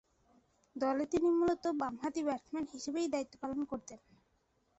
দলে তিনি মূলতঃ বামহাতি ব্যাটসম্যান হিসেবে দায়িত্ব পালন করতেন।